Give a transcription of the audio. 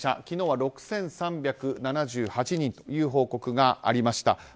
昨日は６３７８人という報告がありました。